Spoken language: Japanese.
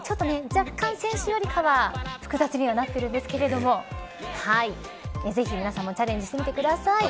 若干、先週よりは複雑になっているんですけどもぜひ皆さんもチャレンジしてみてください。